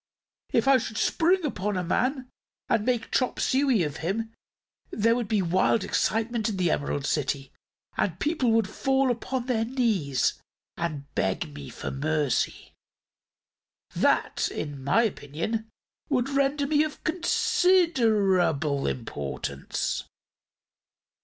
If I should spring upon a man and make chop suey of him, there would be wild excitement in the Emerald City and the people would fall upon their knees and beg me for mercy. That, in my opinion, would render me of considerable importance."